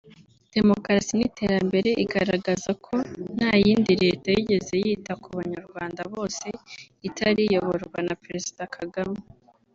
demokarasi n’iterambere; igaragaza ko nta yindi leta yigeze yita ku Banyarwanda bose itari iyoborwa na Perezida Kagame